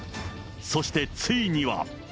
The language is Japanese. そしてついには。